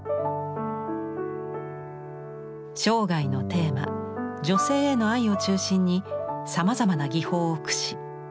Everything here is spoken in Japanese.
生涯のテーマ女性への愛を中心にさまざまな技法を駆使。